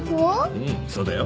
うんそうだよ。